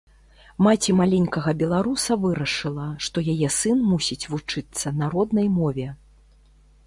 Маці маленькага беларуса вырашыла, што яе сын мусіць вучыцца на роднай мове.